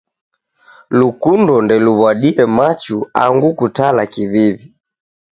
Lukundo ndeluw'adie machu angu kutala kiw'iw'i.